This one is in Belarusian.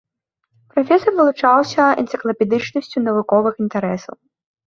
Прафесар вылучаўся энцыклапедычнасцю навуковых інтарэсаў.